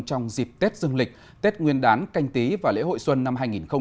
trong dịp tết dương lịch tết nguyên đán canh tí và lễ hội xuân năm hai nghìn hai mươi